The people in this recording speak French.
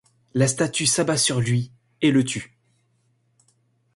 La statue s'abat sur lui, et le tue.